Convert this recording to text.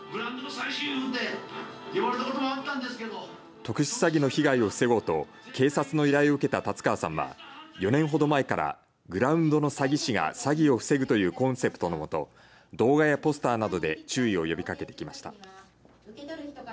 特殊詐欺の被害を防ごうと警察の依頼を受けた達川さんは４年ほど前からグラウンドの詐欺師が詐欺を防ぐというコンセプトの下動画やポスターなどで注意を呼びかけています。